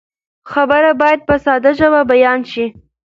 خبر باید په ساده ژبه بیان شي.